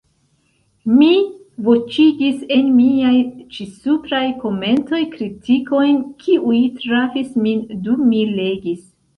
Mi voĉigis en miaj ĉi-supraj komentoj kritikojn, kiuj trafis min dum mi legis.